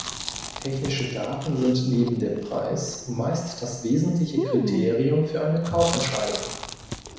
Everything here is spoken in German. Technische Daten sind neben dem Preis meist das wesentliche Kriterium für eine Kaufentscheidung.